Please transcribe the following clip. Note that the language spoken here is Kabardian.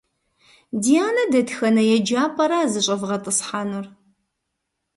Дианэ дэтхэнэ еджапӏэра зыщӏэвгъэтӏысхьэнур?